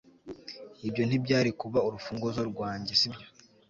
Ibyo ntibyari kuba urufunguzo rwanjye sibyo